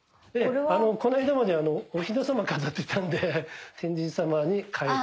この間までおひなさま飾ってたんで天神さまに替えて。